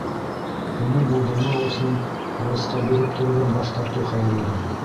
Уны булдырмау өсөн бурысҡа биреп тороуҙан баш тартыу хәйерлерәк.